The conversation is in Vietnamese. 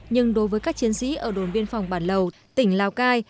nhưng đối với các chiến sĩ ở đồn biên phòng bản lầu tỉnh lào cai